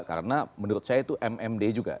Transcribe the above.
karena menurut saya itu mmd juga